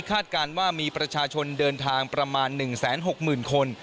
การว่ามีประชาชนเดินทางประมาณ๑๖๐๐๐คน